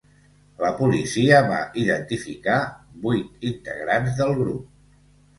La policia va identificar vuit integrants del grup.